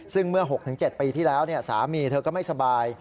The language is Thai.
ซึ่งเมื่อ๖๗ปีที่แล้วสามีเธอก็ไม่สบาย